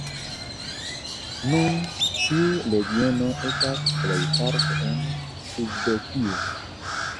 Nun tiu regiono estas plejparte en Uzbekio.